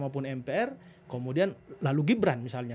kemudian lalu gibran misalnya